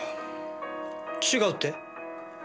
違うって？